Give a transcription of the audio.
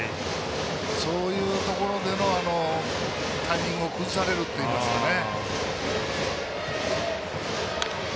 そういうところでのタイミングを崩されるといいますかね。